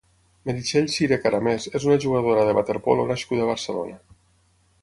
Meritxell Siré Caramés és una jugadora de waterpolo nascuda a Barcelona.